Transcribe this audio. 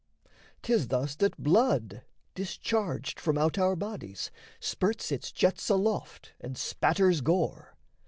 'Tis thus that blood, discharged From out our bodies, spurts its jets aloft And spatters gore.